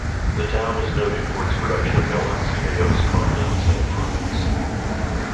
The town is noted for its production of melons, tomatoes, pumpkins and prunes.